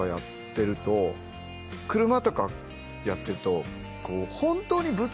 車とかやってると。